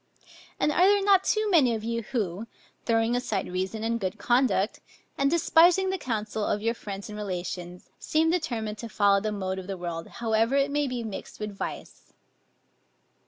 And are there not too many of you who, throwing aside reason and good conduct, and despising the counsel of your friends and relations, seem determined to follow the mode of the world, however it may be mixed with vice?